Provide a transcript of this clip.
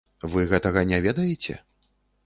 Вы гэтага не ведаеце?